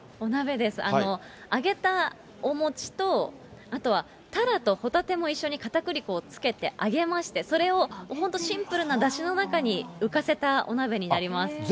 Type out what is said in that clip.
揚げたお餅と、あとはタラとホタテも一緒にかたくり粉をつけて揚げまして、それを本当シンプルなだしの中に浮かせたお鍋になります。